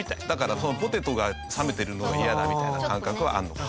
だからポテトが冷めてるのがイヤだみたいな感覚はある。